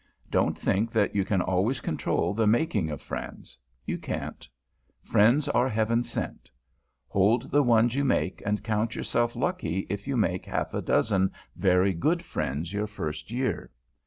Don't think that you can always control the making of friends; you can't. Friends are Heaven sent. Hold the ones you make, and count yourself lucky if you make half a dozen very good friends your first year.